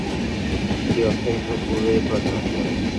এটি অস্থায়ী পুকুরে প্রজনন করে।